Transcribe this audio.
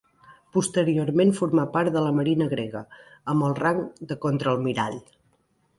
Posteriorment formà part de la Marina grega, amb el rang de contraalmirall.